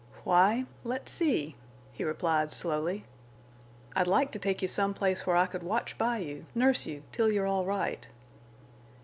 "Why, let's see," he replied, slowly. "I'd like to take you some place where I could watch by you, nurse you, till you're all right."